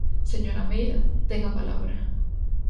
Señora Meira, ten a palabra.